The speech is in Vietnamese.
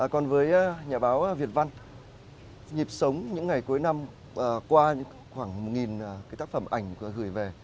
còn với nhà báo việt văn nhịp sống những ngày cuối năm qua khoảng một tác phẩm ảnh gửi về